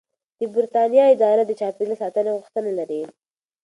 د بریتانیا اداره د چاپیریال ساتنې غوښتنه لري.